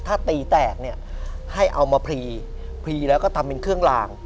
ถ้าตีแตกเนี่ยให้เอามาพรีพรีแล้วก็ทำเป็นเครื่องลาง